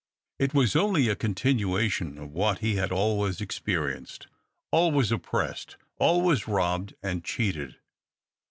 It was only a continuation of what he had always experienced, always oppressed, always robbed and cheated.